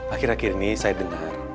akhir akhir ini saya dengar